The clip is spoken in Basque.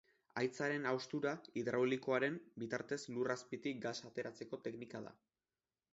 Haitzaren haustura hidraulikoaren bitartez lur azpitik gasa ateratzeko teknika da.